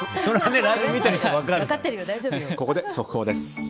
ここで、速報です。